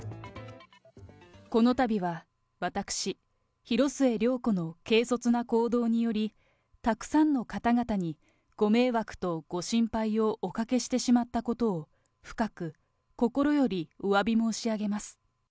このたびは私、広末涼子の軽率な行動により、たくさんの方々にご迷惑とご心配をおかけしてしまったことを深く、心よりおわび申し上げます。